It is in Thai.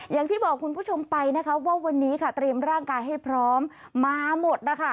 อย่างที่บอกคุณผู้ชมไปนะคะว่าวันนี้ค่ะเตรียมร่างกายให้พร้อมมาหมดนะคะ